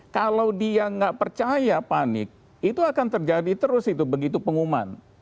kalau dia nggak percaya panik itu akan terjadi terus itu begitu pengumuman